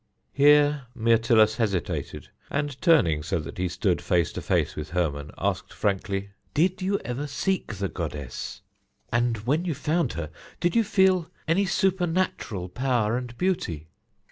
Here Myrtilus hesitated, and, turning so that he stood face to face with Hermon, asked frankly, "Did you ever seek the goddess and, when you found her, did you feel any supernatural power and beauty?"